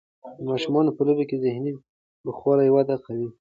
د ماشومانو په لوبو کې ذهني پوخوالی وده کوي.